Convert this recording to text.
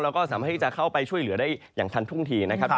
แล้วก็สามารถที่จะเข้าไปช่วยเหลือได้อย่างทันทุ่งทีนะครับ